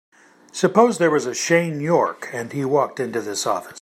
Suppose there was a Shane York and he walked into this office.